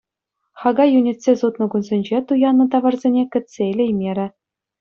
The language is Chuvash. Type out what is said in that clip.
Хака йӳнетсе сутнӑ кунсенче туяннӑ таварсене кӗтсе илеймерӗ.